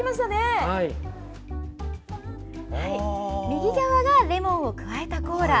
右側がレモンを加えたコーラ。